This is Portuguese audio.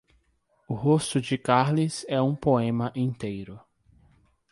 O rosto de Carles é um poema inteiro.